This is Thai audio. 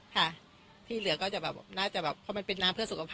ค่ะที่เหลือก็จะแบบน่าจะแบบเพราะมันเป็นน้ำเพื่อสุขภาพ